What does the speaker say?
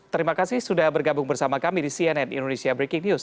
terima kasih sudah bergabung bersama kami di cnn indonesia breaking news